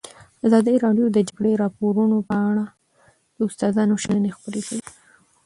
ازادي راډیو د د جګړې راپورونه په اړه د استادانو شننې خپرې کړي.